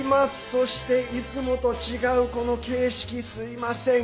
そして、いつもと違うこの形式、すいません。